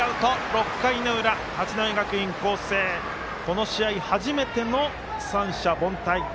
６回の裏、八戸学院光星この試合、初めての三者凡退。